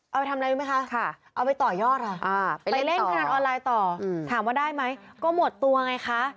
เอาไปทำอะไรรู้ไหมคะเอาไปต่อยอดไปเล่นพนันออนไลน์ต่อถามว่าได้ไหมก็หมดตัวไงคะ